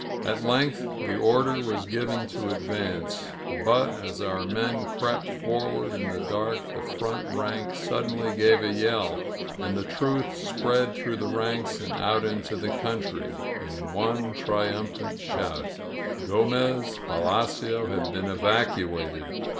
At length the order was given to advance, but as our men crept forward in the dark the front rank sud denly gave a yell, and the truth spread through the ranks and out into the country, in one triumphant shout. Gomez Palacio had been evacuated!